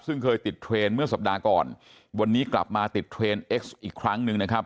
ซึ่งเคยติดเทรนด์เมื่อสัปดาห์ก่อนวันนี้กลับมาติดเทรนด์เอ็กซ์อีกครั้งหนึ่งนะครับ